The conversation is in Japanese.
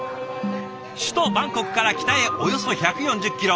首都バンコクから北へおよそ１４０キロ。